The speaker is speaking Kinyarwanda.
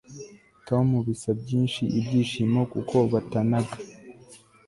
tom bisa byinshi ibyishimo kuko batanaga